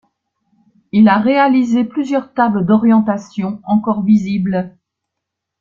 Il a réalisé plusieurs tables d’orientation encore visibles.